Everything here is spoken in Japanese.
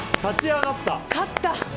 勝った！